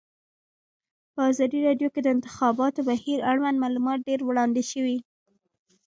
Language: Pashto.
په ازادي راډیو کې د د انتخاباتو بهیر اړوند معلومات ډېر وړاندې شوي.